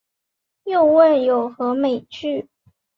又问有何美句？